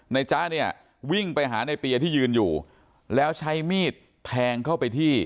จ๊ะเนี่ยวิ่งไปหาในเปียที่ยืนอยู่แล้วใช้มีดแทงเข้าไปที่